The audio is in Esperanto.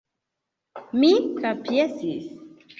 Mi kapjesis.